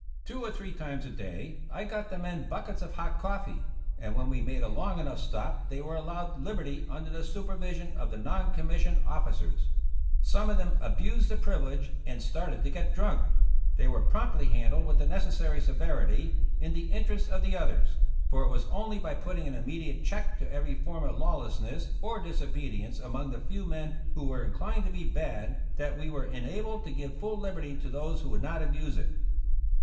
Two or three times a day I got the men buck ets of hot coffee, and when we made a long enough stop they were allowed liberty under the supervi sion of the non commissioned officers. Some of them abused the privilege, and started to get drunk. These were promptly handled with the necessary severity, in the interest of the others; for it was only by putting an immediate check to every form of lawlessness or disobedience among the few men who were inclined to be bad that we were enabled to give full liberty to those who would not abuse it.